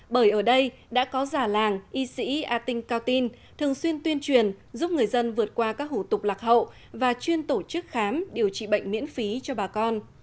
bởi ở đây đã có giả làng y sĩ ating cao tin thường xuyên tuyên truyền giúp người dân vượt qua các hủ tục lạc hậu và chuyên tổ chức khám điều trị bệnh miễn phí cho bà con